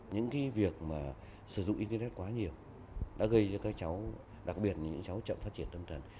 những việc mà sử dụng internet quá nhiều đã gây cho các cháu đặc biệt là những cháu chậm phát triển tâm thần